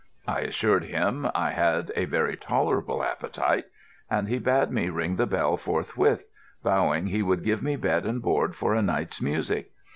I assured him I had a very tolerable appetite, and he bade me ring the bell forthwith, vowing he would give me bed and board for a night's music.